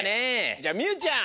じゃあみゆちゃん。